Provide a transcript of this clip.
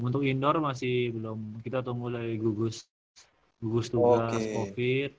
untuk indoor masih belum kita tunggu dari gugus tugas covid